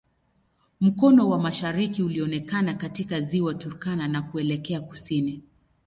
Mkono wa mashariki unaonekana katika Ziwa Turkana na kuelekea kusini.